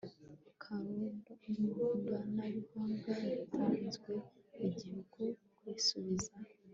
koranabuhanga yatanzwe igihe uko kwisubiza